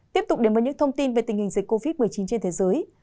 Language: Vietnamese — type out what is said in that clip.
tiếp tục đến với những thông tin về tình hình dịch covid một mươi chín trên thế giới